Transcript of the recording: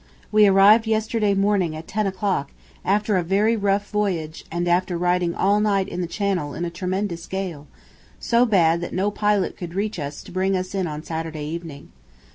We arrived yesterday morning at ten o'clock, after a very rough voyage and after riding all night in the Channel in a tremendous gale, so bad that no pilot could reach us to bring us in on Saturday evening.